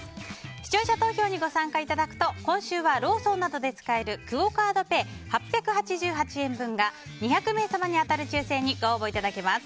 視聴者投票にご参加いただくと今週はクオ・カードペイ８８８円分が２００名様に当たる抽選にご応募いただけます。